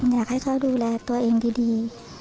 อยากให้เขาดูแลตัวเองดี